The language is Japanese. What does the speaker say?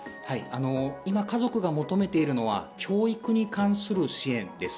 今、家族が求めているのは教育に関する支援です。